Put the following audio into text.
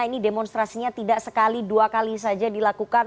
ini demonstrasinya tidak sekali dua kali saja dilakukan